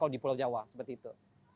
kalau di pulau jawa seperti itu